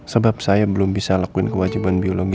sebab saya belum bisa lakuin kewajiban biologi